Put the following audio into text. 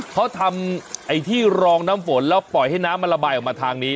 เขาทำไอ้ที่รองน้ำฝนแล้วปล่อยให้น้ำมันระบายออกมาทางนี้